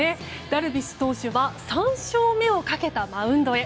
ダルビッシュ投手は３勝目をかけたマウンドへ。